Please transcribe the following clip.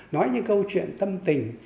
nói những câu chuyện tâm tình